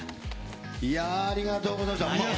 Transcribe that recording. いやぁ、ありがとうございました。